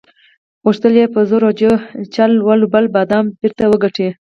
غوښتل یې په زور او چل ول بایللي بادام بیرته وګټي.